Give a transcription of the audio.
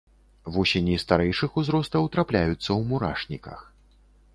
Вусені старэйшых узростаў трапляюцца ў мурашніках.